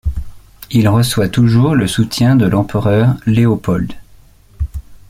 Il reçoit toujours le soutien de l'empereur Léopold.